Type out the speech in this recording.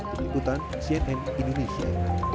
berikutan cnn indonesia